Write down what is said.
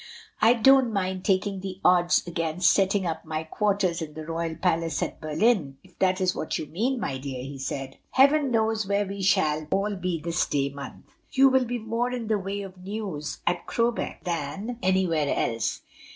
"I don't mind taking the odds against setting up my quarters in the Royal palace at Berlin, if that is what you mean, my dear," he said. "Heaven knows where we shall all be this day month. You will be more in the way of news at Crowbeck than 150 MRS. DYMOND. anywhere else.